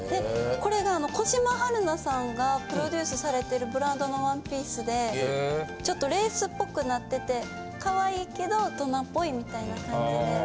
これが小嶋陽菜さんがプロデュースされてるブランドのワンピースでちょっとレースっぽくなっててかわいいけど大人っぽいみたいな感じで。